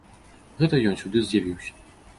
Гэта ён сюды з'явіўся!